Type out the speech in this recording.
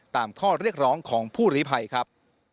ตามข้อเรียกร้องของผู้หลีภัยครับ